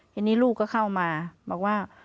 ทีนี้ลูกก็เข้ามาบอกว่า